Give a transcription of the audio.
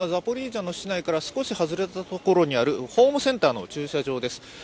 私が今いるのはザポリージャの市内から少し外れた所にあるホームセンターの駐車場です。